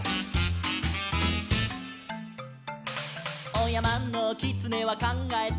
「おやまのきつねはかんがえた」